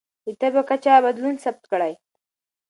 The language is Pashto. د تبه کچه بدلون ثبت کړئ.